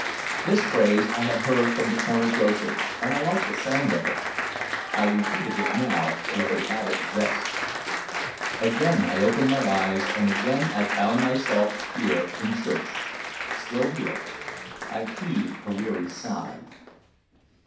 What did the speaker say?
'" This phrase I had heard from the corner grocer, and I liked the sound of it. I repeated it now with an added zest. Again I opened my eyes and again I found myself here in church. Still here. I heaved a weary sigh.